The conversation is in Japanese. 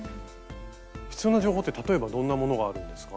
必要な情報って例えばどんなものがあるんですか？